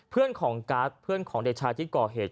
เพื่อนของการ์ดเพื่อนของเด็กชายที่ก่อเหตุ